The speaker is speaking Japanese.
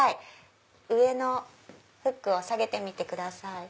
上のフックを下げてみてください。